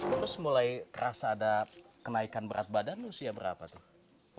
terus mulai kerasa ada kenaikan berat badan usia berapa tuh